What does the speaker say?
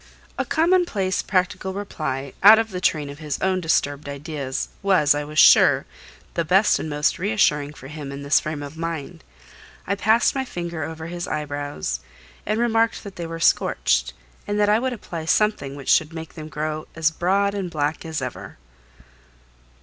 A commonplace, practical reply, out of the train of his own disturbed ideas, was, I was sure, the best and most reassuring for him in this frame of mind. I passed my finger over his eyebrows, and remarked that they were scorched, and that I would apply something which would make them grow as broad and black as ever.